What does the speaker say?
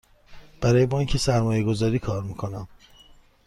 برای بانک سرمایه گذاری کار می کنم.